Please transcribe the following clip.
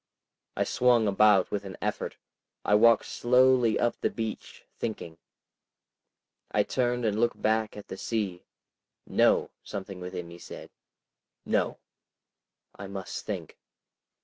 I swung about with an effort. I walked slowly up the beach thinking. ... I turned and looked back at the sea. No! Something within me said, "No!" I must think.